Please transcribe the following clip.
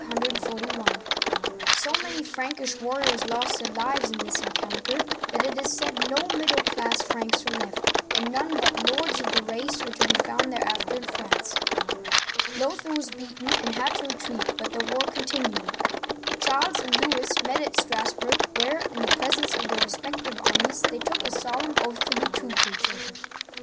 So many Frankish warriors lost their lives in this encounter that it is said no middle class Franks were left, and none but lords of that race were to be found thereafter in France. Lothair was beaten and had to retreat, but the war con tinued. Charles and Louis met at Strassburg, where, in the presence of their respective armies, they took a solemn oath to be true to each other.